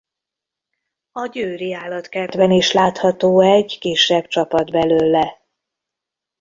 A Győri Állatkertben is látható egy kisebb csapat belőle.